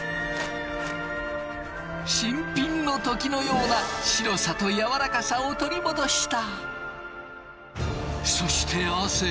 新品の時のような白さとやわらかさを取り戻した。